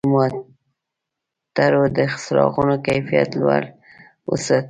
د موټرو د څراغونو کیفیت لوړ وساتئ.